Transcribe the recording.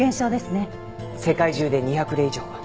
世界中で２００例以上は。